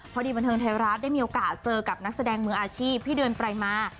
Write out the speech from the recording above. พอดีบันเทิงไทยรัฐได้มีโอกาสเจอกับนักแสดงมืออาชีพที่เดินไปมา